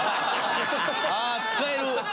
ああ使える！